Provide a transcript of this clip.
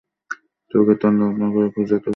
তোকে তন্নতন্ন করে খুঁজে তোর সামনে এসে দাঁড়াব।